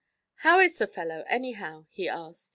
'How is the fellow, anyhow?' he asked.